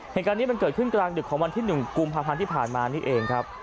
เหตุการณ์นี้มันเกิดขึ้นกลางดึกของวันที่๑กุมภาพันธ์ที่ผ่านมานี่เองครับ